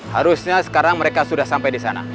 harusnya sekarang mereka sudah sampai di sana